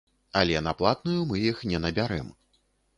Але на платную мы іх не набярэм.